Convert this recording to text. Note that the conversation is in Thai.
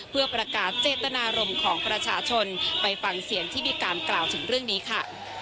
เพื่อประกาศเจตนารมณ์ของประชาชนไปฟังเสียงที่มีการกล่าวถึงเรื่องนี้ค่ะ